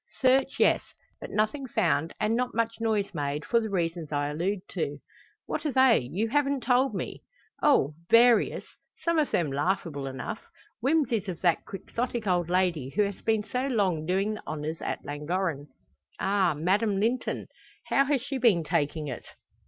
"Search, yes; but nothing found, and not much noise made, for the reasons I allude to." "What are they? You haven't told me." "Oh! various. Some of them laughable enough. Whimsies of that Quixotic old lady who has been so long doing the honours at Llangorren." "Ah! Madame Linton. How has she been taking it?"